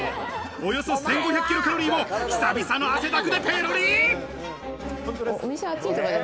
およそ１５００ｋｃａｌを久々の汗だくでペロリ。